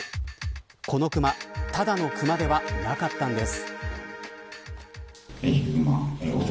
このクマただのクマではなかったのです。